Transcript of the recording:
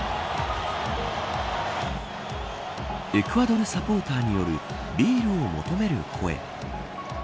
エクアドルサポーターによるビールを求める声。